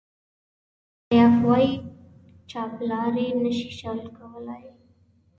استاد سياف وایي چاپلاري نشي شل کولای.